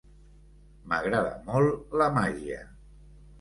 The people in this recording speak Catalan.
M'agrada molt, la màgia.